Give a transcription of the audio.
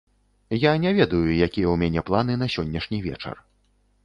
Я не ведаю, якія ў мяне планы на сённяшні вечар.